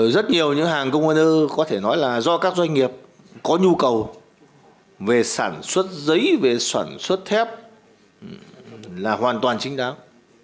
rất nhiều những hàng container có thể nói là do các doanh nghiệp có nhu cầu về sản xuất giấy về sản xuất thép là hoàn toàn chính đáng